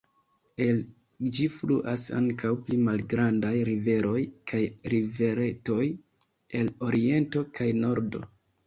El ĝi fluas ankaŭ pli malgrandaj riveroj kaj riveretoj el oriento kaj nordo.